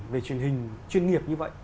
về truyền hình chuyên nghiệp như vậy